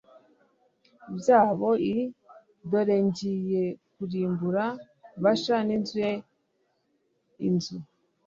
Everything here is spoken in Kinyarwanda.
byabo i Dore ngiye kurimbura Basha n inzu ye inzu